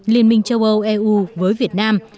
liên minh châu âu eu với việt nam